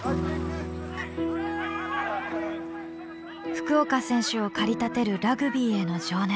福岡選手を駆り立てるラグビーへの情熱。